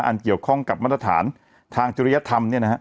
อันเกี่ยวข้องกับมาตรฐานทางจุดยธรรม